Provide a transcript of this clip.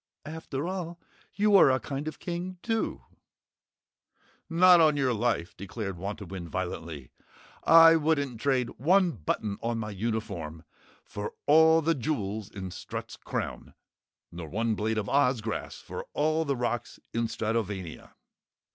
"After all you are a kind of King, too!" "Not on your life!" declared Wantowin violently. "I wouldn't trade one button on my uniform for all the jewels in Strut's crown, nor one blade of Oz grass for all the rocks in Stratovania!"